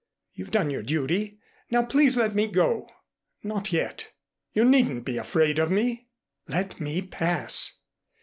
You've done your duty. Now please let me go." "Not yet. You needn't be afraid of me." "Let me pass."